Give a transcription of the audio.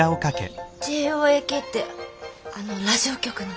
ＪＯＡＫってあのラジオ局の？